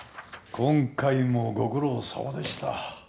今回もご苦労さまでした。